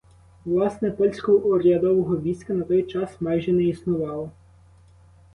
Власне, польського урядового війська на той час майже не існувало.